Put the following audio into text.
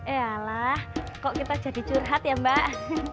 eh alah kok kita jadi curhat ya mbak